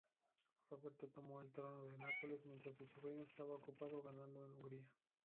Roberto tomó el trono de Nápoles mientras su sobrino estaba ocupado ganando en Hungría.